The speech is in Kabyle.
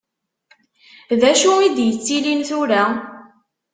Dacu i d-yettilin tura?